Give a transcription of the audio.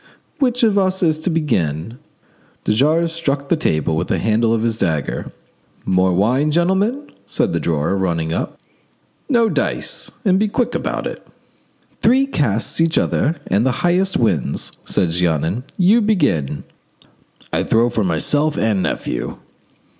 "Which of us is to begin?" De Jars struck the table with the handle of his dagger. "More wine, gentlemen?" said the drawer, running up. "No, dice; and be quick about it." "Three casts each and the highest wins," said Jeannin. "You begin." "I throw for myself and nephew."